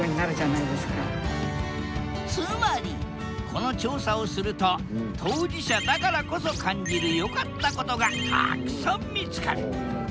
この調査をすると当事者だからこそ感じる良かったことがたっくさん見つかる。